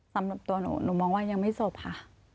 สำหรับตัวหนูหนูมองว่ายังไม่ศพค่ะ